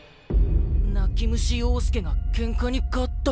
泣き虫洋介がけんかに勝った！